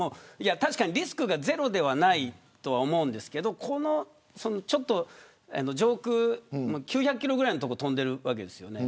確かにリスクがゼロではないとは思うんですが上空９００キロぐらいの所飛んでいるわけですよね。